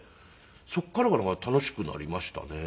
そこからがなんか楽しくなりましたね。